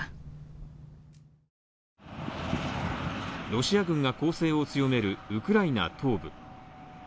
ロシア軍が攻勢を強めるウクライナ東部。